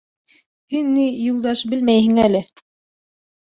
— Һин, ни, Юлдаш, белмәйһең әле.